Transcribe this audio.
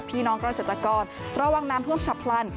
พี่น้องเกษตรกรระวังน้ำท่วมฉับพลัน